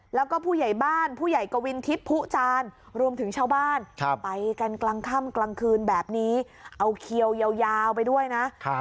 แล้วก็ผู้ใหญ่บ้านผู้ใหญ่กวินทิพย์ผู้จานรวมถึงชาวบ้าน